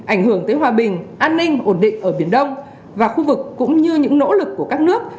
ảnh hưởng tới hòa bình an ninh ổn định ở biển đông và khu vực cũng như những nỗ lực của các nước